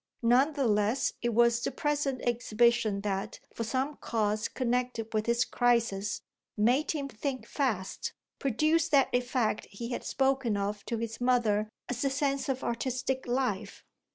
None the less it was the present exhibition that, for some cause connected with his "crisis," made him think fast, produced that effect he had spoken of to his mother as a sense of artistic life.